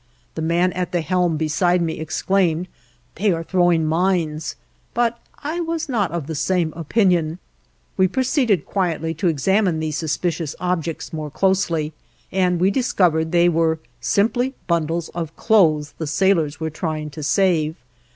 The man at the helm beside me exclaimed: "They are throwing mines," but I was not of the same opinion. We proceeded quietly to examine these suspicious objects more closely, and we discovered they were simply bundles of clothes the sailors were trying to save.